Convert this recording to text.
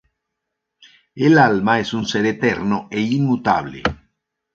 El alma es un ser eterno e inmutable.